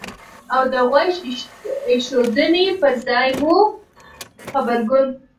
او د غوږ ایښودنې په ځای مو غبرګون